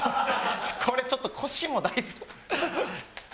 これちょっと腰もだいぶ。